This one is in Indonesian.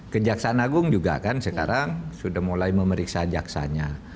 kejaksaan agung juga kan sekarang sudah mulai memeriksa jaksanya